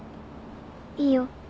いいよ。